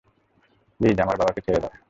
Please, আমার বাবাকে ছেড়ে দাও।